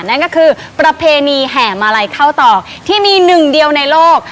นั่นก็คือประเพณีแห่มาลัยเข้าตอกที่มีหนึ่งเดียวในโลก